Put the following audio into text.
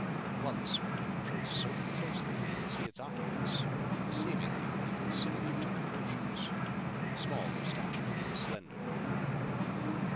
Once one of them approached so closely they could see its occupants, seemingly a people similar to the Venusians, small of stature and slender.